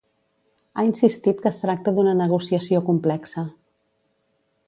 Ha insistit que es tracta d'una negociació complexa.